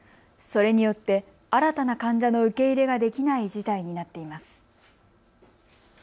それによって新たな患者の受け入れができない事態になっています。